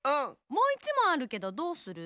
もう１もんあるけどどうする？